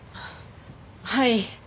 はい。